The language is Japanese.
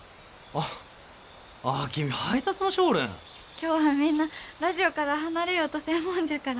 今日はみんなラジオから離れようとせんもんじゃから。